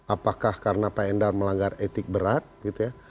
apakah karena pak endar melanggar etik berat gitu ya